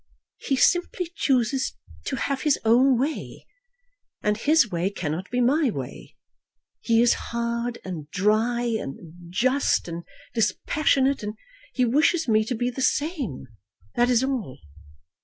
"He simply chooses to have his own way, and his way cannot be my way. He is hard, and dry, and just, and dispassionate, and he wishes me to be the same. That is all."